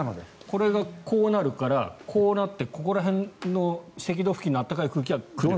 これがこうなるからこうなってここら辺の赤道付近の暖かい空気が来る。